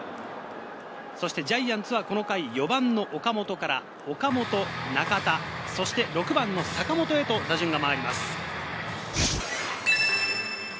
ジャイアンツはこの回、４番の岡本から岡本、中田、そして６番・坂本へと打順が回ります。